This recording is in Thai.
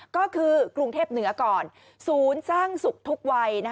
ก็คือกรุงเทพเหนือก่อนศูนย์สร้างสุขทุกวัย